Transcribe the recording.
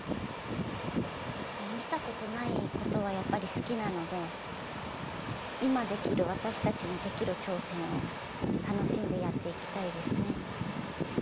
見たことないことはやっぱり好きなので今できる私たちにできる挑戦を楽しんでやっていきたいですね。